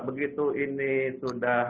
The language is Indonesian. begitu ini sudah